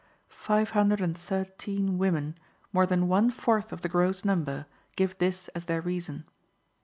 Five hundred and thirteen women, more than one fourth of the gross number, give this as their reason.